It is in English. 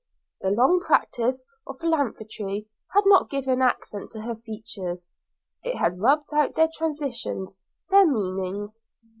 The long practice of philanthropy had not given accent to her features; it had rubbed out their transitions, their meanings.